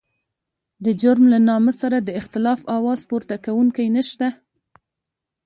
د جرم له نامه سره د اختلاف اواز پورته کوونکی نشته.